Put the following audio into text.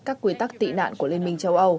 các quy tắc tị nạn của liên minh châu âu